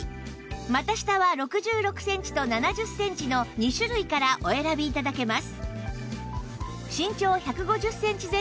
股下は６６センチと７０センチの２種類からお選び頂けます